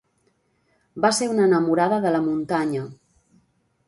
Va ser una enamorada de la muntanya.